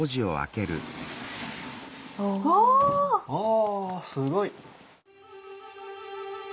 あすごい。